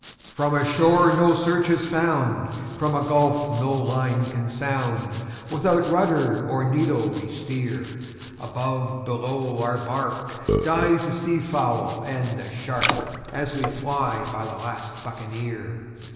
"From a shore no search hath found, from a gulf no line can sound, Without rudder or needle we steer; Above, below, our bark, dies the sea fowl and the shark, As we fly by the last Buccaneer.